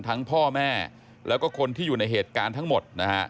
ทั้งพ่อแม่และคนที่อยู่ในเหตุการณ์ทั้งหมด